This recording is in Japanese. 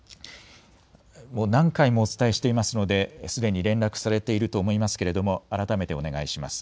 もう何回もお伝えしていますのですでに連絡されていると思いますけれども改めてお願いします。